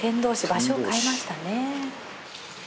場所を変えましたね。